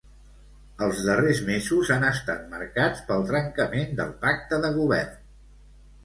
Els darrers mesos han estat marcats pel trencament del pacte de govern